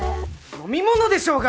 飲み物でしょうが！